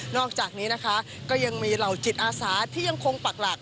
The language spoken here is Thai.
อกจากนี้นะคะก็ยังมีเหล่าจิตอาสาที่ยังคงปักหลัก